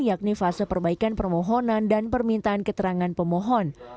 yakni fase perbaikan permohonan dan permintaan keterangan pemohon